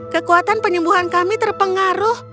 kekuatan penyembuhan kami terpengaruh